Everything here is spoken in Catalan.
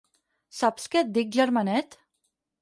Saps què et dic, germanet?